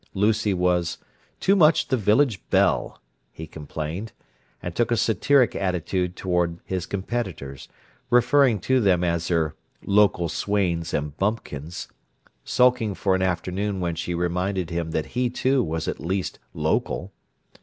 Lucy was "too much the village belle," he complained; and took a satiric attitude toward his competitors, referring to them as her "local swains and bumpkins," sulking for an afternoon when she reminded him that he, too, was at least "local."